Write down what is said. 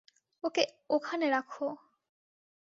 ওকে ওখানে রাখো!